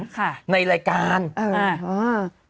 ค่ะในรายการอ่าอือ